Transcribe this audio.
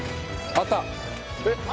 あった？